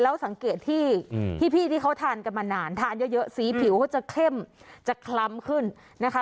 แล้วสังเกตที่พี่ที่เขาทานกันมานานทานเยอะสีผิวเขาจะเข้มจะคล้ำขึ้นนะคะ